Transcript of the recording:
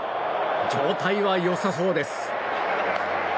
状態は良さそうです。